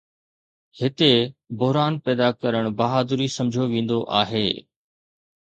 هتي، بحران پيدا ڪرڻ بهادري سمجهيو ويندو آهي.